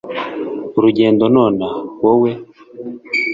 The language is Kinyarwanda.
urugendo nonaha, wowe?